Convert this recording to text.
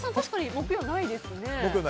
木曜、ないですね。